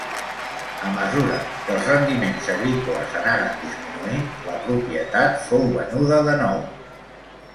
A mesura que els rendiments agrícoles anaren disminuint, la propietat fou venuda de nou.